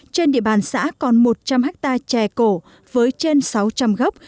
trên địa bàn xã còn một trăm linh hectare chè cổ với trên sáu trăm linh gốc